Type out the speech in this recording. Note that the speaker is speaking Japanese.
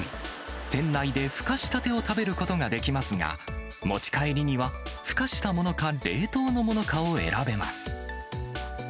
店内でふかしたてを食べることができますが、持ち帰りにはふかしたものか冷凍のものかを選べます。